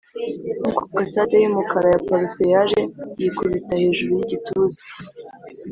nkuko casade yumukara ya parufe yaje yikubita hejuru yigituza;